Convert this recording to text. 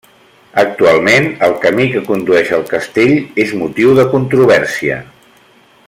Actualment el camí que condueix al castell és motiu de controvèrsia.